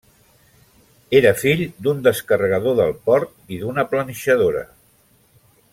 Era fill d'un descarregador del port i d'una planxadora.